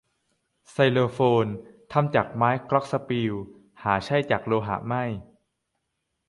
ไซโลโฟน ทำจากไม้กล็อคสปีล หาใช่จากโลหะไม่